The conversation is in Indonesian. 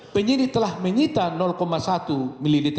penyidik telah menyita satu ml